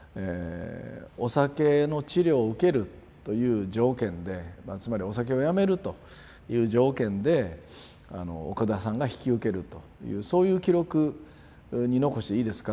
お酒の治療を受けるという条件でつまりお酒をやめるという条件で奥田さんが引き受けるというそういう記録残していいですか？